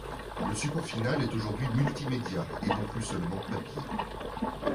Le support final est aujourd'hui multimédia, et non plus seulement papier.